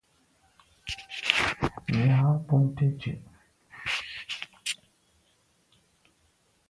Nya bùnte ndù.